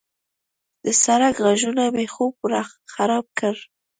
د سړک غږونه مې خوب خراب کړ.